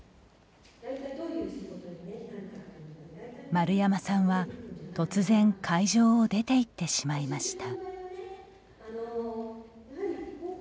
丸山さんは突然会場を出ていってしまいました。